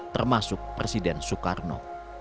termasuk presiden soekarno